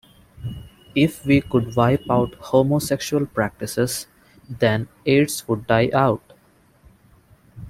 If we could wipe out homosexual practices, then Aids would die out.